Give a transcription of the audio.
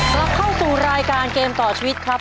กลับเข้าสู่รายการเกมต่อชีวิตครับ